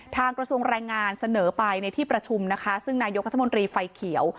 กระทรวงแรงงานเสนอไปในที่ประชุมนะคะซึ่งนายกรัฐมนตรีไฟเขียว